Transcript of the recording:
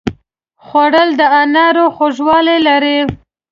خوړل د انارو خوږوالی لري